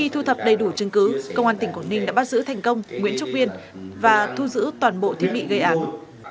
theo chứng cứ công an tỉnh quảng ninh đã bắt giữ thành công nguyễn trúc viên và thu giữ toàn bộ thiết bị gây ảnh